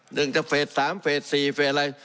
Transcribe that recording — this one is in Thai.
หนึ่งจะเฟสสามเฟส๔เฟสอะไร